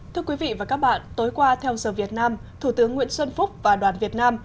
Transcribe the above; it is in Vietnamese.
thưa quý vị và các bạn tối qua theo giờ việt nam thủ tướng nguyễn xuân phúc và đoàn việt nam